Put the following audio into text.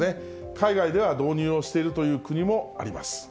海外では導入をしているという国もあります。